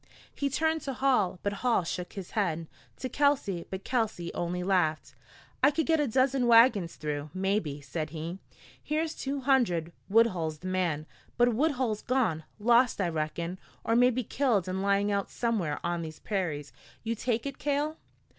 He turned to Hall, but Hall shook his head; to Kelsey, but Kelsey only laughed. "I could get a dozen wagons through, maybe," said he. "Here's two hundred. Woodhull's the man, but Woodhull's gone lost, I reckon, or maybe killed and lying out somewhere on these prairies. You take it, Cale."